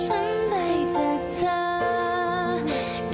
เฮ่ยร้องเป็นเด็กเลยอ่ะภรรยาเซอร์ไพรส์สามีแบบนี้ค่ะ